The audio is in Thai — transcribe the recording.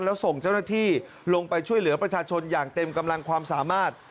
แล้วส่งเจ้าหน้าที่ลงไปช่วยเหลือประชาชนอย่างเต็มกำลังความสามารถ